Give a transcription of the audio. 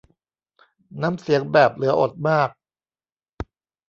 น้ำเสียงแบบเหลืออดมาก